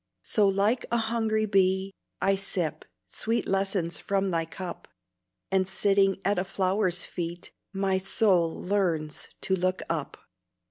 So, like a hungry bee, I sip Sweet lessons from thy cup, And sitting at a flower's feet, My soul learns to look up.